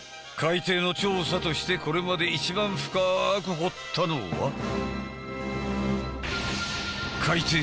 海底の調査としてこれまで一番深く掘ったのは。